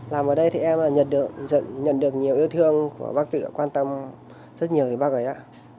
làm ở đây thì em nhận được nhiều yêu thương của bác tự quan tâm rất nhiều bác ấy ạ